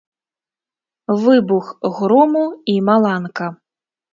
Выбух грому і маланка.